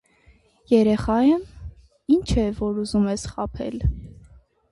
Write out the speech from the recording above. - Երեխա՞ եմ, ինչ է, որ ուզում ես խաբել: